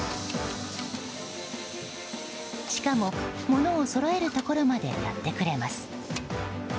しかも、物をそろえるところまでやってくれます。